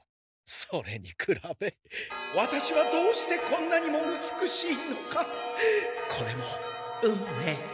それにくらべワタシはどうしてこんなにも美しいのかこれも運命。